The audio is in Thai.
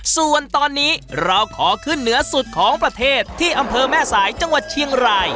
ส่วนตอนนี้เราขอขึ้นเหนือสุดของประเทศที่อำเภอแม่สายจังหวัดเชียงราย